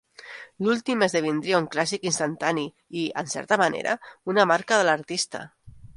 L'últim esdevindria un clàssic instantani i, en certa manera, una marca de l'artista.